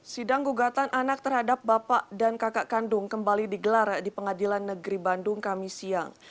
sidang gugatan anak terhadap bapak dan kakak kandung kembali digelar di pengadilan negeri bandung kami siang